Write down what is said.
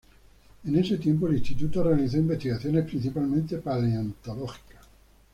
En ese tiempo, el Instituto realizó investigaciones principalmente paleontológicas.